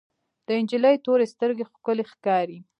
د انجلۍ تورې سترګې ښکلې ښکاري.